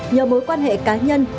nhờ mối quan hệ cá nhân